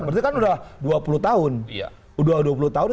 berarti kan sudah dua puluh tahun